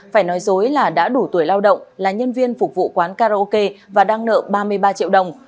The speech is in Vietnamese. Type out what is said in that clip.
phải nói dối là đã đủ tuổi lao động là nhân viên phục vụ quán karaoke và đang nợ ba mươi ba triệu đồng